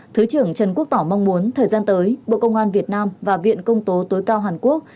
thứ trưởng trần quốc tỏ mong muốn thời gian tới bộ công an việt nam và viện công tố tối cao hàn quốc